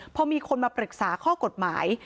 พอมีคนมาปรึกษาข้อกฎหมาย